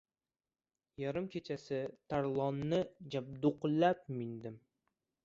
Yarim kechasi Tarlonni jabduqlab mindim.